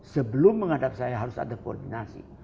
sebelum menghadap saya harus ada koordinasi